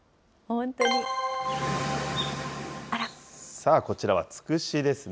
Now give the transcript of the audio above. さあ、こちらはツクシですね。